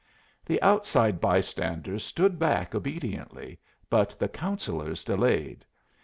The outside bystanders stood back obediently, but the Councillors delayed.